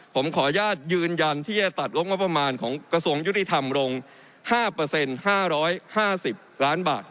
ผมขออนุญาตยืนยันที่จะตัดลบงบประมาณของกระทรวงยุติธรรมลง๕๕๕๐ล้านบาท